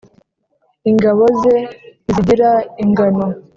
Ingabo ze ntizigira ingano,